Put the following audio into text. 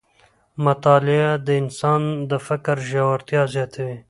مطالعه د انسان د فکر ژورتیا زیاتوي